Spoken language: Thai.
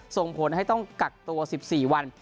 ส่งผลให้ต้องกักตัว๑๔วัน